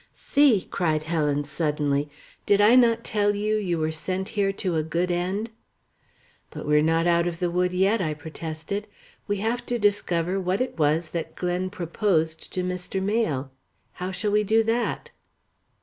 "See!" cried Helen suddenly. "Did I not tell you you were sent here to a good end?" "But we are not out of the wood yet," I protested. "We have to discover what it was that Glen proposed to Mr. Mayle. How shall we do that?"